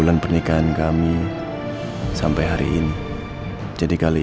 dan sekarang kau mau di rumah sakit di jakarta